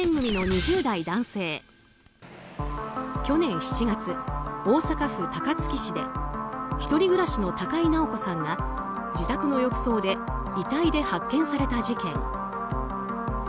去年７月、大阪府高槻市で１人暮らしの高井直子さんが自宅の浴槽で遺体で発見された事件。